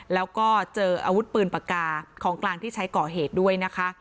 แล้วก็เจออาวุธปืนปากกาของกลางที่ใช้ก่อเหตุด้วยนะคะ